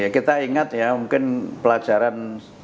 kita ingat ya mungkin pelajaran